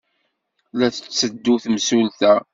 La d-tetteddu temsulta.